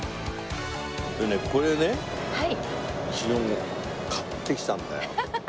これね昨日買ってきたんだよ。